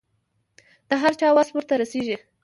د هر چا وس ورته رسېږي.